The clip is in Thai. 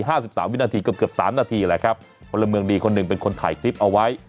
สิบสามวินาทีเกือบเกือบสามนาทีแหละครับพลเมืองดีคนหนึ่งเป็นคนถ่ายคลิปเอาไว้